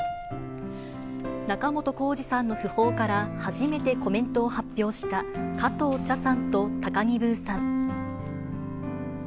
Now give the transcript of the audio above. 仲本工事さんの訃報から初めてコメントを発表した、加藤茶さんと高木ブーさん。